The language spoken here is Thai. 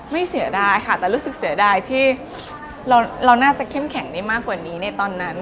เสียดายค่ะแต่รู้สึกเสียดายที่เราน่าจะเข้มแข็งได้มากกว่านี้ในตอนนั้น